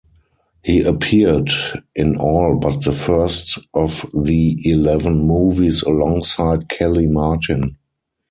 He appeared in all but the first of the eleven movies alongside Kellie Martin.